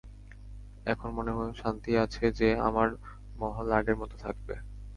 এখন মনে শান্তি আছে যে, আমার মহল আগের মতো থাকবে।